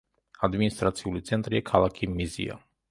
ადმინისტრაციული ცენტრია ქალაქი მიზია.